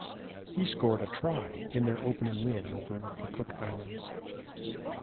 He scored a try in their opening win over the Cook Islands.